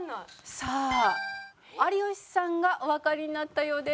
さあ有吉さんがおわかりになったようです。